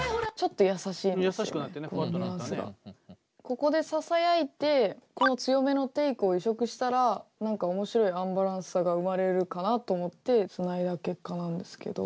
ここでささやいてこう強めのテイクを移植したら何か面白いアンバランスさが生まれるかなと思ってつないだ結果なんですけど。